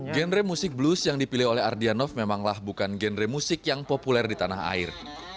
genre musik blues yang dipilih oleh ardianov memanglah bukan genre musik yang populer di tanah air